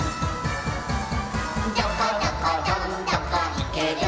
「どこどこどんどこいけるんだ」